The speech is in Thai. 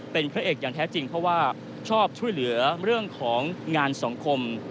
เป็นพระเอกอย่างแท้จริงเพราะว่าชอบช่วยเหลือเรื่องของงานสังคม